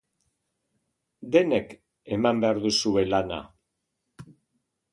Denek eman behar duzue lana.